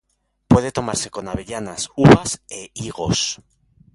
Puede tomarse con avellanas, uvas e higos.